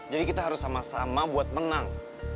jadi kita harus sama sama buat menang